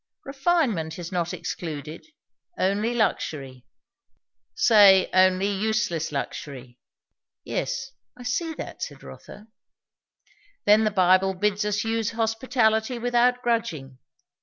Refinement is not excluded, only luxury." "Say, only useless luxury." "Yes, I see that," said Rotha. "Then the Bible bids us use hospitality without grudging.